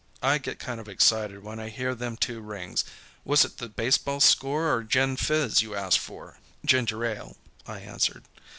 I get kind of excited when I hear them two rings was it the baseball score or gin fizz you asked for?" "Ginger ale," I answered.